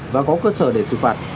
và có cơ sở để xử phạt